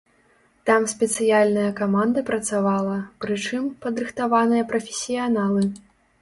Там спецыяльная каманда працавала, прычым, падрыхтаваныя прафесіяналы.